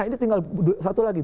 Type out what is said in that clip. ini tinggal satu lagi